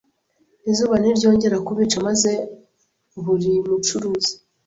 izuba ntiryongera kubica maze buri mucuruzi